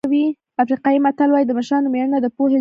افریقایي متل وایي د مشرانو مړینه د پوهې ضایع ده.